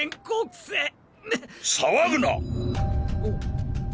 騒ぐな！